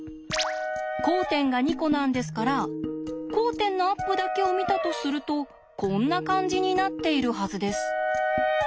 交点が２コなんですから交点のアップだけを見たとするとこんな感じになっているはずです。